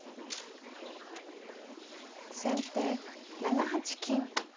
先手７八金。